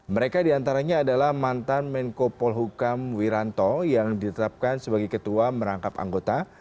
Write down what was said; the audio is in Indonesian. mereka diantaranya adalah mantan menko polhukam wiranto yang ditetapkan sebagai ketua merangkap anggota